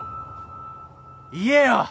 言えよ！